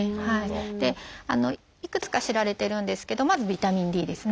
でいくつか知られてるんですけどまずビタミンＤですね。